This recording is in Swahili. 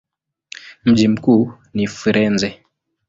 Mji mkuu ni Firenze.